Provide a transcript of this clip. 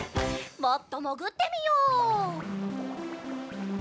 もっともぐってみよう。